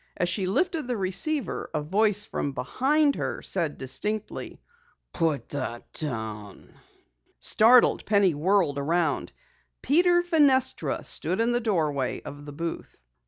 As she lifted the receiver, a voice from behind her said distinctly: "Put that down!" Startled, Penny whirled around. Peter Fenestra stood in the doorway of the booth.